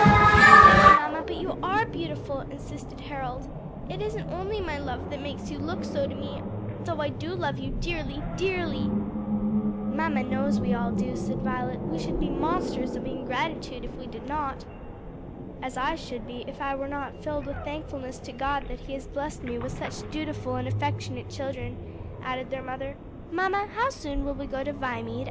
"Yes, mamma, but you are beautiful," insisted Harold; "it isn't only my love that makes you look so to me, though I do love you dearly dearly." "Mamma knows we all do," said Violet; "we should be monsters of ingratitude if we did not." "As I should be if I were not filled with thankfulness to God that he has blessed me with such dutiful and affectionate children," added the mother. "Mamma, how soon will we go to Viamede?"